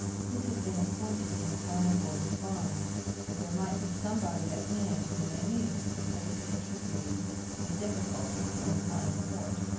This had been appointed near Farmer Gordon's barn, that there might be somebody at hand whom they knew, in case there should be any difficulty in untying the horse.